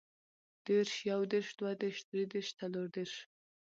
دېرش، يودېرش، دوهدېرش، دريدېرش، څلوردېرش